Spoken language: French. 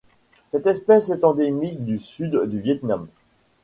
Cette espèce est endémique du Sud du Viêt Nam.